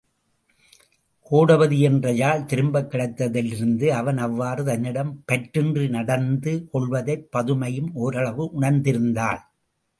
கோடபதி என்ற யாழ் திரும்பக் கிடைத்ததிலிருந்து அவன் அவ்வாறு தன்னிடம் பற்றின்றி நடந்து கொள்வதைப் பதுமையும் ஒரளவு உணர்ந்திருந்தாள்.